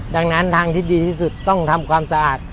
ดังนั้นทางที่ดีที่สุดต้องทำความสะอาด